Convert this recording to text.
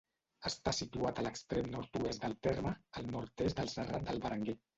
Està situat a l'extrem nord-oest del terme, al nord-est del Serrat del Berenguer.